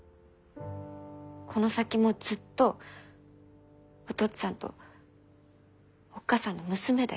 この先もずっとお父っつぁんとおっ母さんの娘だよ。